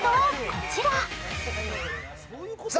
こちら。